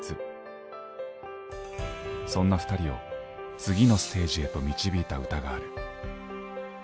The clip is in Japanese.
そんなふたりを次のステージへと導いた歌がある。